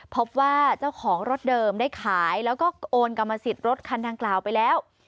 พบว่าเจ้าของรถเดิมได้ขายแล้วก็โอนกรรมสิทธิ์รถคันดังกล่าวไปแล้ว